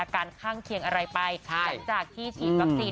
ก็ต้องฉีดนะคะเพราะว่ามันเป็นความจำเป็นของตัวเรา